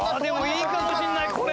いいかもしれないこれ。